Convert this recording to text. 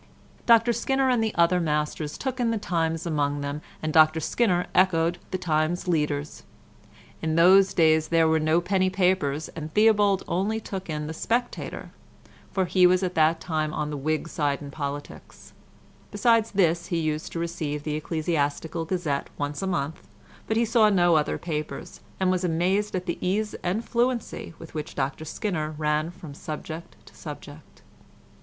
Dr Skinner and the other masters took in the Times among them, and Dr Skinner echoed the Times' leaders. In those days there were no penny papers and Theobald only took in the Spectator—for he was at that time on the Whig side in politics; besides this he used to receive the Ecclesiastical Gazette once a month, but he saw no other papers, and was amazed at the ease and fluency with which Dr Skinner ran from subject to subject.